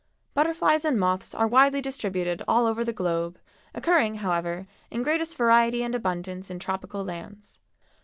Butterflies and moths are widely distributed all over the globe, occurring, however, in greatest variety and abundance in tropical lands.